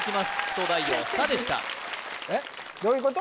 東大王「さ」でしたえっどういうこと？